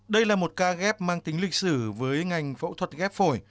đây là một ca ghép mang tính lịch sử với ngành phẫu thuật ghép phổi